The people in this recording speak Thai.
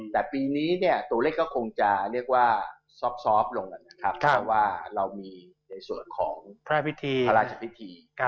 แต่ปีนี้เนี่ยตัวเลขก็คงจะซอฟต์ลงแล้วนะครับเพราะว่าเรามีในส่วนของพระพิธี